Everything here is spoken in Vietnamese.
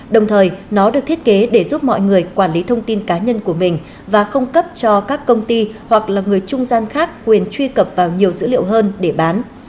đồng thời nó được thiết kế để giúp mọi người quản lý thông tin cá nhân của mình và không cấp cho các công ty hoặc là người trung gian khác quyền truy cập vào nhiều dữ liệu hơn để bán